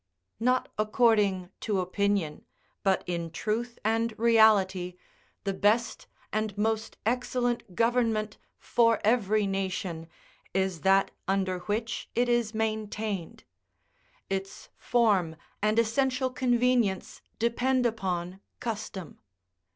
Not according to opinion, but in truth and reality, the best and most excellent government for every nation is that under which it is maintained: its form and essential convenience depend upon custom.